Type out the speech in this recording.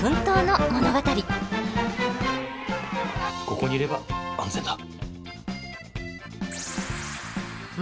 ここにいれば安全だ。